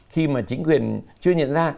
khi mà chính quyền chưa nhận ra